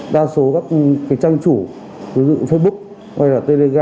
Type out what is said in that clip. đa số các trang chủ ví dụ facebook hay telegram